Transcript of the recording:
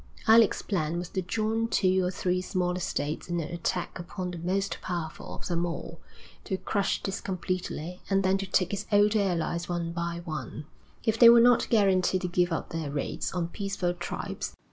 Alec's plan was to join two or three smaller states in an attack upon the most powerful of them all, to crush this completely, and then to take his old allies one by one, if they would not guarantee to give up their raids on peaceful tribes.